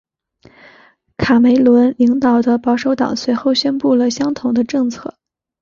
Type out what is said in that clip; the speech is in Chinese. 卡梅伦领导的保守党随后宣布了相同的政策。